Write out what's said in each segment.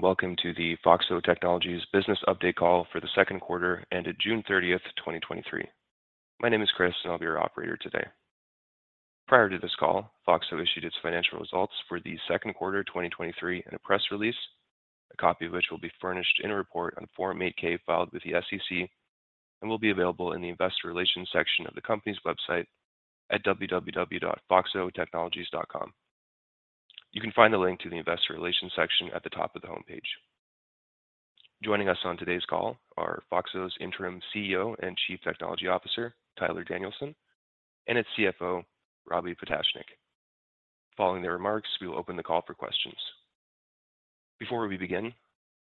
Hello, and welcome to the FOXO Technologies Business Update Call for the second quarter ended June 30, 2023. My name is Chris, and I'll be your operator today. Prior to this call, FOXO issued its financial results for the second quarter, 2023 in a press release, a copy of which will be furnished in a report on Form 8-K filed with the SEC and will be available in the Investor Relations section of the company's website at www.foxotechnologies.com. You can find a link to the Investor Relations section at the top of the homepage. Joining us on today's call are FOXO's Interim CEO and Chief Technology Officer, Tyler Danielson, and its CFO, Robert Potashnick. Following their remarks, we will open the call for questions. Before we begin,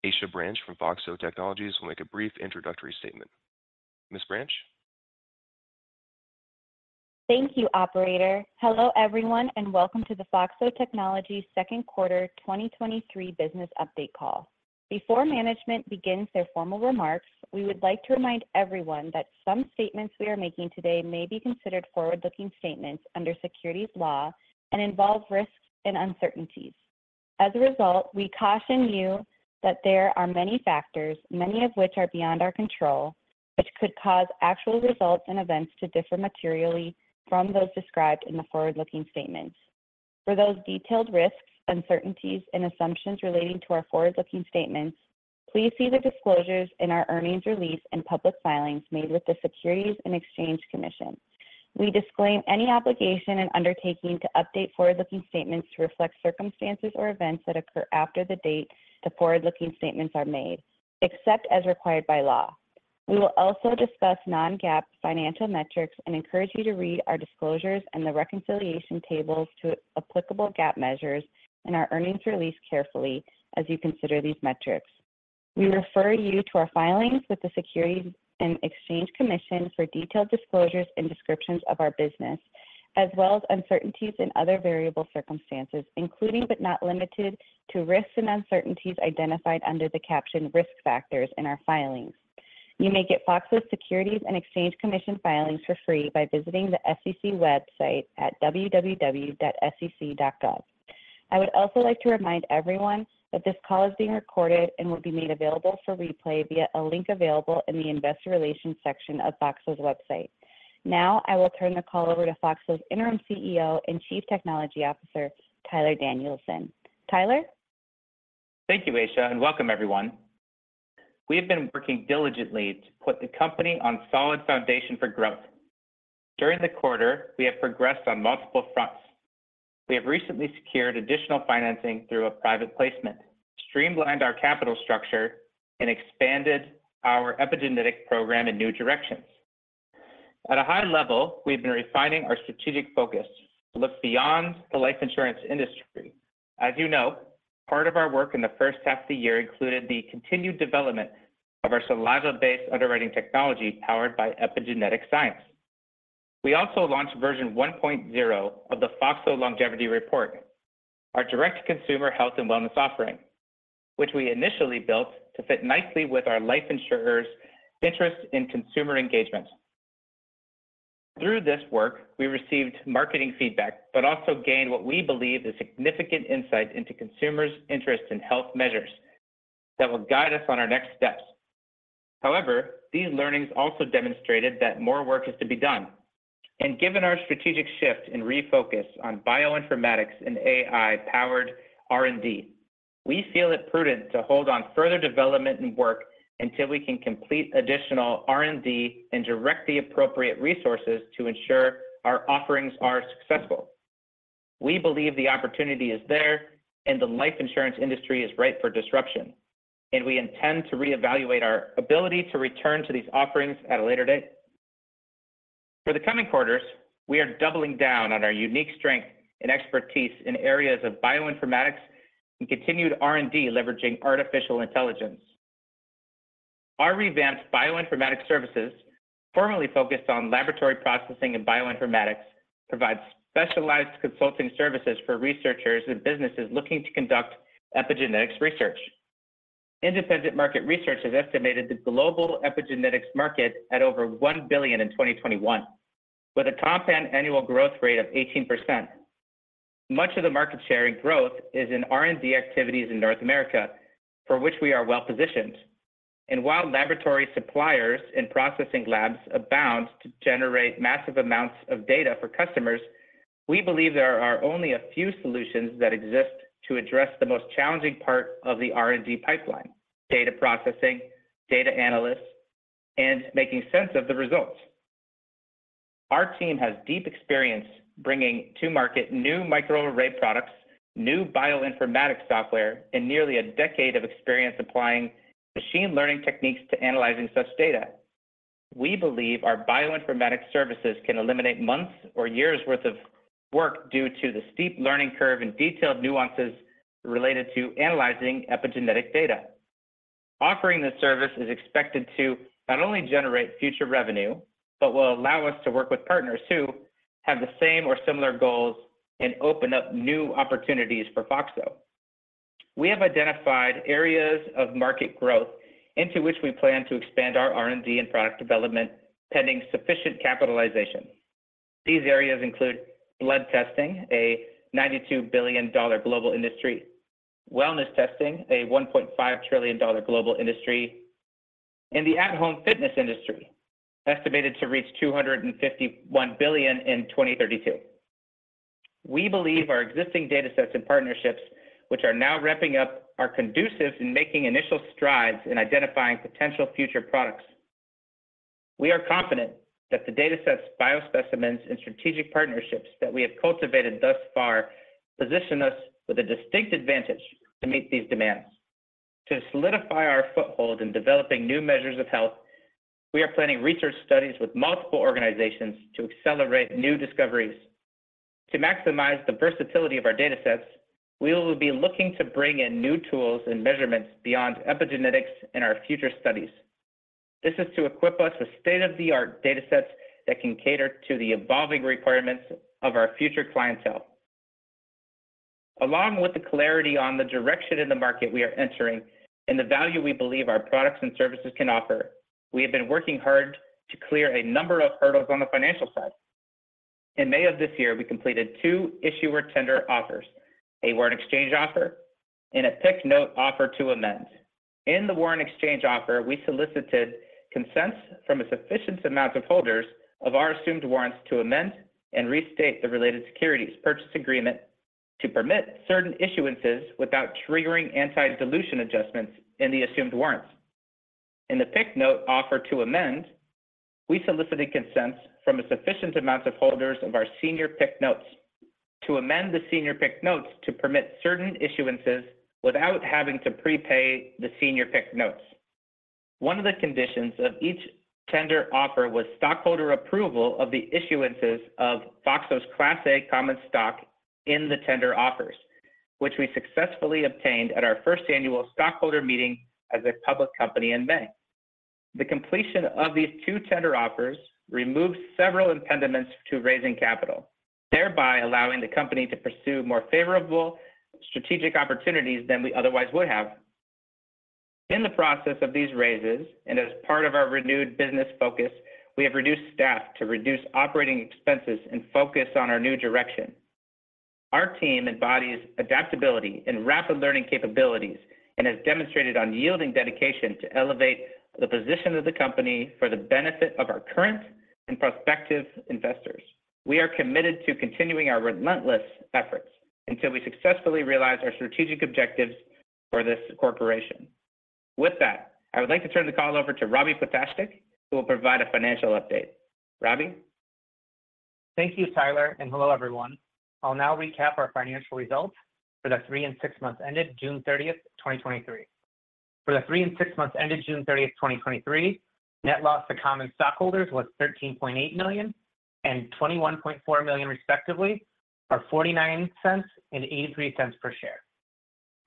Aisha Branch from FOXO Technologies will make a brief introductory statement. Ms. Branch? Thank you, operator. Hello, everyone, and welcome to the FOXO Technologies second quarter 2023 business update call. Before management begins their formal remarks, we would like to remind everyone that some statements we are making today may be considered forward-looking statements under securities law and involve risks and uncertainties. As a result, we caution you that there are many factors, many of which are beyond our control, which could cause actual results and events to differ materially from those described in the forward-looking statements. For those detailed risks, uncertainties and assumptions relating to our forward-looking statements, please see the disclosures in our earnings release and public filings made with the Securities and Exchange Commission. We disclaim any obligation and undertaking to update forward-looking statements to reflect circumstances or events that occur after the date the forward-looking statements are made, except as required by law. We will also discuss non-GAAP financial metrics and encourage you to read our disclosures and the reconciliation tables to applicable GAAP measures in our earnings release carefully as you consider these metrics. We refer you to our filings with the Securities and Exchange Commission for detailed disclosures and descriptions of our business, as well as uncertainties and other variable circumstances, including but not limited to risks and uncertainties identified under the caption Risk Factors in our filings. You may get FOXO's Securities and Exchange Commission filings for free by visiting the SEC website at www.sec.gov. I would also like to remind everyone that this call is being recorded and will be made available for replay via a link available in the Investor Relations section of FOXO's website. Now, I will turn the call over to FOXO's Interim CEO and Chief Technology Officer, Tyler Danielson. Tyler? Thank you, Aisha. Welcome everyone. We have been working diligently to put the company on solid foundation for growth. During the quarter, we have progressed on multiple fronts. We have recently secured additional financing through a private placement, streamlined our capital structure and expanded our epigenetic program in new directions. At a high level, we've been refining our strategic focus to look beyond the life insurance industry. As you know, part of our work in the first half of the year included the continued development of our saliva-based underwriting technology, powered by epigenetic science. We also launched version 1.0 of the FOXO Longevity Report, our direct consumer health and wellness offering, which we initially built to fit nicely with our life insurer's interest in consumer engagement. Through this work, we received marketing feedback, but also gained what we believe is significant insight into consumers' interest in health measures that will guide us on our next steps. However, these learnings also demonstrated that more work is to be done, and given our strategic shift and refocus on bioinformatics and AI-powered R&D, we feel it prudent to hold on further development and work until we can complete additional R&D and direct the appropriate resources to ensure our offerings are successful. We believe the opportunity is there and the life insurance industry is ripe for disruption, and we intend to reevaluate our ability to return to these offerings at a later date. For the coming quarters, we are doubling down on our unique strength and expertise in areas of bioinformatics and continued R&D, leveraging artificial intelligence. Our revamped bioinformatics services, formerly focused on laboratory processing and bioinformatics, provides specialized consulting services for researchers and businesses looking to conduct epigenetics research. Independent market research has estimated the global epigenetics market at over $1 billion in 2021, with a compound annual growth rate of 18%. Much of the market share and growth is in R&D activities in North America, for which we are well positioned. While laboratory suppliers and processing labs abound to generate massive amounts of data for customers, we believe there are only a few solutions that exist to address the most challenging part of the R&D pipeline: data processing, data analysts, and making sense of the results. Our team has deep experience bringing to market new microarray products, new bioinformatics software, and nearly a decade of experience applying machine learning techniques to analyzing such data. We believe our bioinformatics services can eliminate months or years' worth of work due to the steep learning curve and detailed nuances related to analyzing epigenetic data. Offering this service is expected to not only generate future revenue, but will allow us to work with partners who have the same or similar goals and open up new opportunities for FOXO. We have identified areas of market growth into which we plan to expand our R&D and product development, pending sufficient capitalization. These areas include blood testing, a $92 billion global industry, wellness testing, a $1.5 trillion global industry, and the at-home fitness industry, estimated to reach $251 billion in 2032. We believe our existing datasets and partnerships, which are now ramping up, are conducive in making initial strides in identifying potential future products. We are confident that the datasets, biospecimens, and strategic partnerships that we have cultivated thus far position us with a distinct advantage to meet these demands. To solidify our foothold in developing new measures of health, we are planning research studies with multiple organizations to accelerate new discoveries. To maximize the versatility of our datasets, we will be looking to bring in new tools and measurements beyond epigenetics in our future studies. This is to equip us with state-of-the-art datasets that can cater to the evolving requirements of our future clientele. Along with the clarity on the direction in the market we are entering and the value we believe our products and services can offer, we have been working hard to clear a number of hurdles on the financial side. In May of this year, we completed two issuer tender offers, a warrant exchange offer and a PIK note offer to amend. In the warrant exchange offer, we solicited consents from a sufficient amount of holders of our assumed warrants to amend and restate the related securities purchase agreement to permit certain issuances without triggering anti-dilution adjustments in the assumed warrants. In the PIK note offer to amend, we solicited consents from a sufficient amount of holders of our senior PIK notes to amend the senior PIK notes to permit certain issuances without having to prepay the senior PIK notes. One of the conditions of each tender offer was stockholder approval of the issuances of FOXO's Class A common stock in the tender offers, which we successfully obtained at our first annual stockholder meeting as a public company in May. The completion of these two tender offers removed several impediments to raising capital, thereby allowing the company to pursue more favorable strategic opportunities than we otherwise would have. In the process of these raises, and as part of our renewed business focus, we have reduced staff to reduce operating expenses and focus on our new direction. Our team embodies adaptability and rapid learning capabilities and has demonstrated unyielding dedication to elevate the position of the company for the benefit of our current and prospective investors. We are committed to continuing our relentless efforts until we successfully realize our strategic objectives for this corporation. With that, I would like to turn the call over to Robbie Potashnick, who will provide a financial update. Robbie? Thank you, Tyler, and hello, everyone. I'll now recap our financial results for the three and six months ended June 30, 2023. For the three and six months ended June 30, 2023, net loss to common stockholders was $13.8 million and $21.4 million, respectively, or $0.49 and $0.83 per share,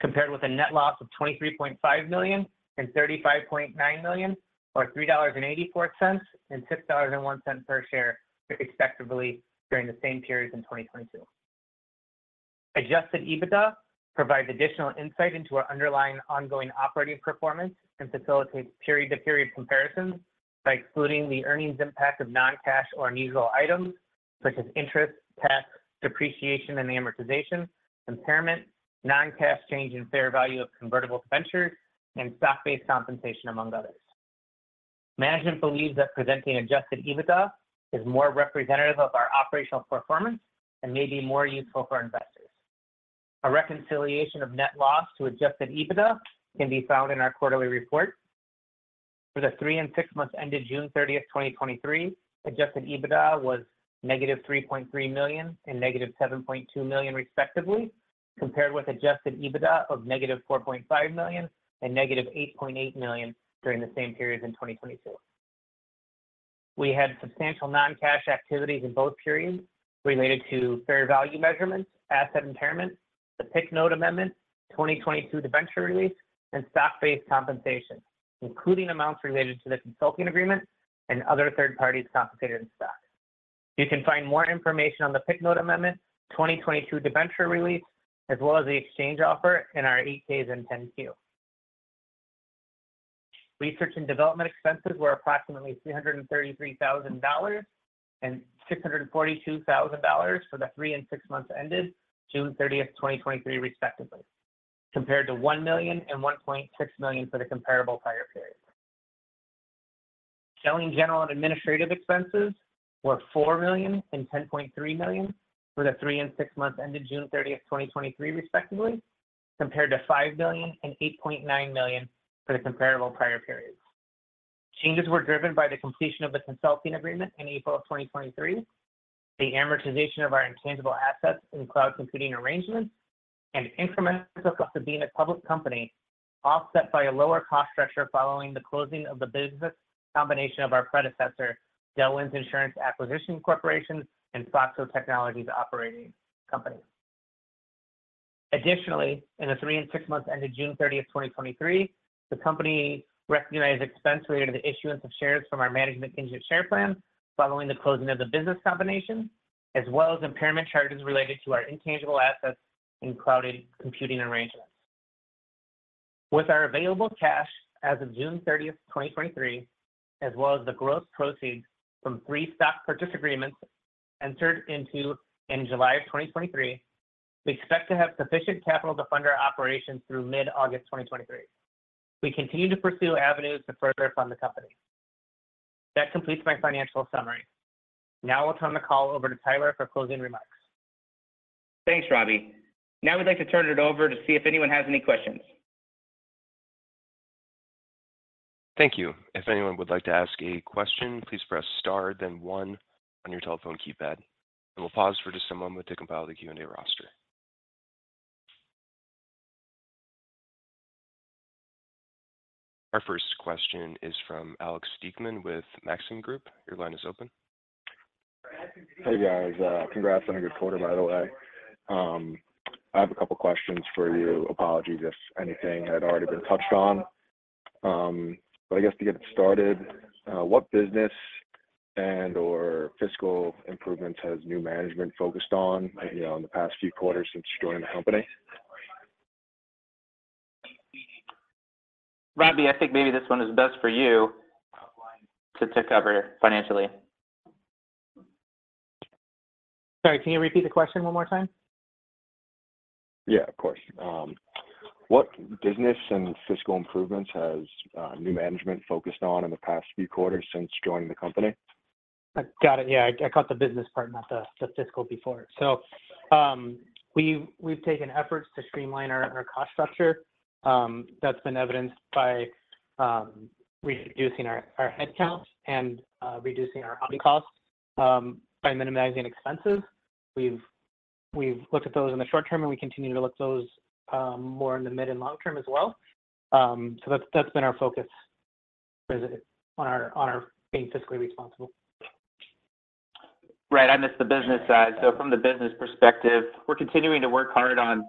compared with a net loss of $23.5 million and $35.9 million, or $3.84 and $6.01 per share, respectively, during the same periods in 2022. Adjusted EBITDA provides additional insight into our underlying ongoing operating performance and facilitates period-to-period comparisons by excluding the earnings impact of non-cash or unusual items such as interest, tax, depreciation and amortization, impairment, non-cash change in fair value of convertible debentures, and stock-based compensation, among others. Management believes that presenting adjusted EBITDA is more representative of our operational performance and may be more useful for investors. A reconciliation of net loss to adjusted EBITDA can be found in our quarterly report. For the three and six months ended June 30, 2023, adjusted EBITDA was -$3.3 million and -$7.2 million, respectively, compared with adjusted EBITDA of -$4.5 million and -$8.8 million during the same periods in 2022. We had substantial non-cash activities in both periods related to fair value measurements, asset impairment, the PIK note amendment, 2022 Debenture Release, and stock-based compensation, including amounts related to the consulting agreement and other third parties compensated in stock. You can find more information on the PIK note amendment, 2022 Debenture Release, as well as the exchange offer in our Form 8-K and Form 10-Q. Research and development expenses were approximately $333,000 and $642,000 for the 3 and 6 months ended June 30, 2023, respectively, compared to $1 million and $1.6 million for the comparable prior period. Selling general and administrative expenses were $4 million and $10.3 million for the 3 and 6 months ended June 30, 2023, respectively, compared to $5 million and $8.9 million for the comparable prior periods. Changes were driven by the completion of the consulting agreement in April of 2023, the amortization of our intangible assets in cloud computing arrangements, and incremental costs of being a public company, offset by a lower cost structure following the closing of the business combination of our predecessor, Delwinds Insurance Acquisition Corp. and FOXO Technologies Operating Company. Additionally, in the 3 and 6 months ended June 30th, 2023, the company recognized expense related to the issuance of shares from our management incentive share plan following the closing of the business combination, as well as impairment charges related to our intangible assets in cloud computing arrangements.... With our available cash as of June 30th, 2023, as well as the gross proceeds from 3 stock purchase agreements entered into in July of 2023, we expect to have sufficient capital to fund our operations through mid-August 2023. We continue to pursue avenues to further fund the company. That completes my financial summary. Now I'll turn the call over to Tyler for closing remarks. Thanks, Robbie. Now we'd like to turn it over to see if anyone has any questions. Thank you. If anyone would like to ask a question, please press star then one on your telephone keypad, and we'll pause for just a moment to compile the Q&A roster. Our first question is from Allen Klee with Maxim Group. Your line is open. Hey, guys. Congrats on a good quarter, by the way. I have a couple questions for you. Apologies if anything had already been touched on. I guess to get it started, what business and/or fiscal improvements has new management focused on, you know, in the past few quarters since joining the company? Robbie, I think maybe this one is best for you to, to cover financially. Sorry, can you repeat the question one more time? Yeah, of course. What business and fiscal improvements has new management focused on in the past few quarters since joining the company? I got it. Yeah, I, I caught the business part, not the, the fiscal before. We've, we've taken efforts to streamline our, our cost structure. That's been evidenced by reducing our, our headcount and reducing our operating costs by minimizing expenses. We've, we've looked at those in the short term, and we continue to look at those more in the mid and long term as well. That's, that's been our focus on our, on our being fiscally responsible. Right, I missed the business side. From the business perspective, we're continuing to work hard on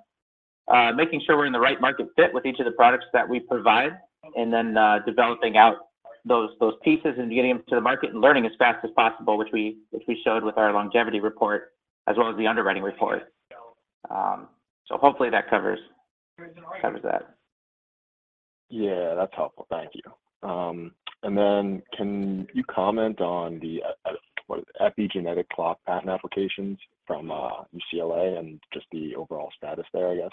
making sure we're in the right market fit with each of the products that we provide, and then developing out those, those pieces and getting them to the market and learning as fast as possible, which we showed with our Longevity Report as well as the underwriting report. Hopefully that covers, covers that. Yeah, that's helpful. Thank you. Then can you comment on the, what, epigenetic clock patent applications from UCLA and just the overall status there, I guess?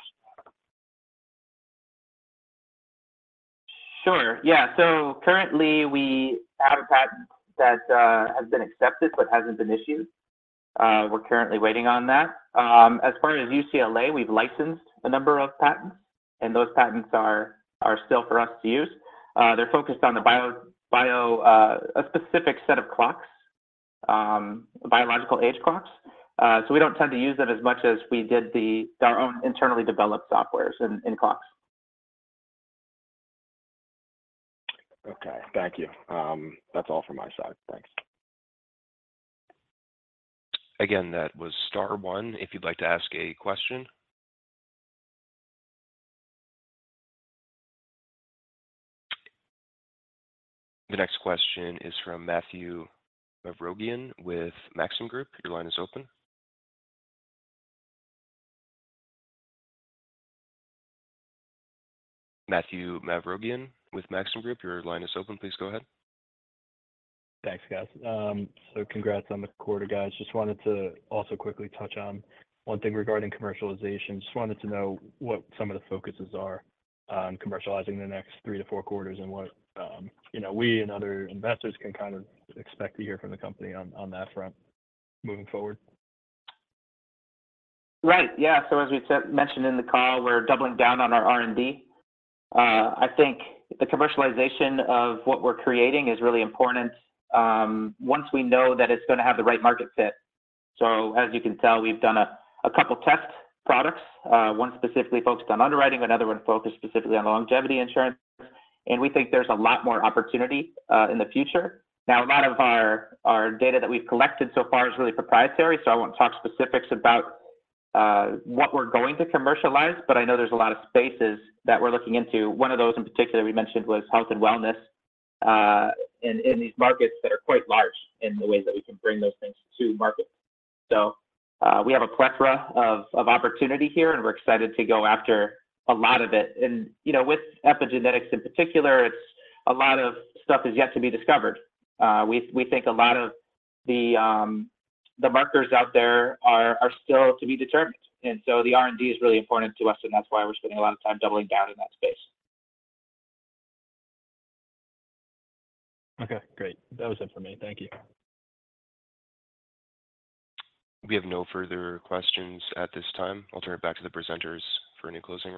Sure. Yeah, so currently we have a patent that has been accepted but hasn't been issued. We're currently waiting on that. As far as UCLA, we've licensed a number of patents, and those patents are, are still for us to use. They're focused on the bio, a specific set of clocks, biological age clocks. We don't tend to use them as much as we did the, our own internally developed softwares in, in clocks. Okay. Thank you. That's all from my side. Thanks. Again, that was star one if you'd like to ask a question. The next question is from Matthew Mavrogian with Maxim Group. Your line is open. Matthew Mavrogian with Maxim Group, your line is open. Please go ahead. Thanks, guys. Congrats on the quarter, guys. Just wanted to also quickly touch on one thing regarding commercialization. Just wanted to know what some of the focuses are on commercializing the next three to four quarters and what, you know, we and other investors can kind of expect to hear from the company on, on that front moving forward? Right. Yeah, as we said, mentioned in the call, we're doubling down on our R&D. I think the commercialization of what we're creating is really important, once we know that it's going to have the right market fit. As you can tell, we've done a couple test products, one specifically focused on underwriting, another one focused specifically on longevity insurance, and we think there's a lot more opportunity in the future. A lot of our data that we've collected so far is really proprietary, so I won't talk specifics about what we're going to commercialize, but I know there's a lot of spaces that we're looking into. One of those in particular we mentioned was health and wellness, in these markets that are quite large in the way that we can bring those things to market. We have a plethora of, of opportunity here, and we're excited to go after a lot of it. You know, with epigenetics in particular, it's a lot of stuff is yet to be discovered. We, we think a lot of the markers out there are still to be determined, and so the R&D is really important to us, and that's why we're spending a lot of time doubling down in that space. Okay, great. That was it for me. Thank you. We have no further questions at this time. I'll turn it back to the presenters for any closing remarks.